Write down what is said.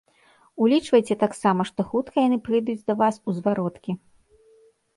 Улічвайце таксама, што хутка яны прыйдуць да вас у звароткі.